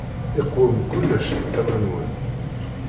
Iqwem kullec di tama-nwen.